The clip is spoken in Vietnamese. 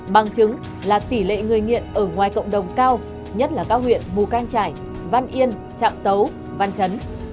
bằng chứng là tỷ lệ người nghiện ở ngoài cộng đồng cao nhất là các huyện mù cang trải văn yên trạm tấu văn chấn